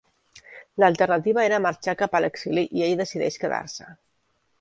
L'alternativa era marxar cap a l’exili i ell decideix quedar-se.